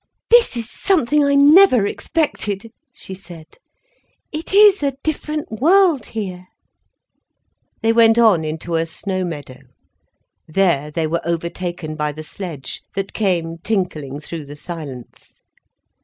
"This is something I never expected," she said. "It is a different world, here." They went on into a snow meadow. There they were overtaken by the sledge, that came tinkling through the silence.